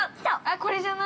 ◆これじゃない？